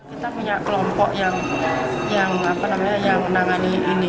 kita punya kelompok yang menangani ini